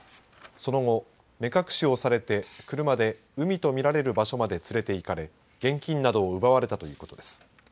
その後、目隠しをされて車で海と見られる場所まで連れていかれ現金などを奪われたということです。